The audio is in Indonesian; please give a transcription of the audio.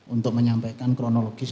untuk menyampaikan kronologis